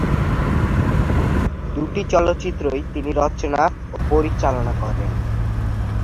দুটি চলচ্চিত্রই তিনি রচনা ও পরিচালনা করেন।